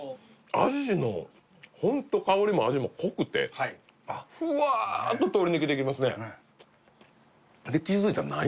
アジのホント香りも味も濃くてフワーッと通り抜けていきますね